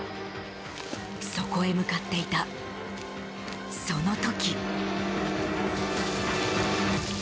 そこへ向かっていたその時。